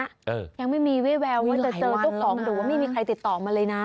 ยังไม่มีวิแววว่าจะเจอเจ้าของหรือว่าไม่มีใครติดต่อมาเลยนะ